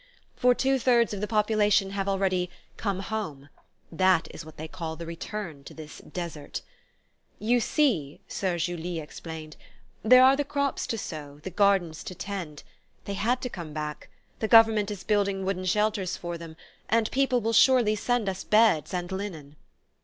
For two thirds of the population have already "come home" that is what they call the return to this desert! "You see," Soeur Julie explained, "there are the crops to sow, the gardens to tend. They had to come back. The government is building wooden shelters for them; and people will surely send us beds and linen."